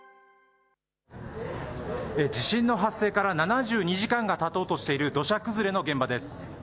地震の発生から７２時間がたとうとしている、土砂崩れの現場です。